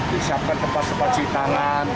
disiapkan tempat tempat cuci tangan